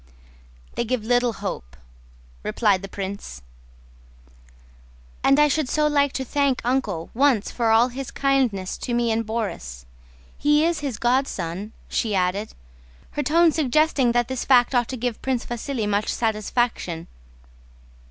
"They give little hope," replied the prince. "And I should so like to thank Uncle once for all his kindness to me and Borís. He is his godson," she added, her tone suggesting that this fact ought to give Prince Vasíli much satisfaction.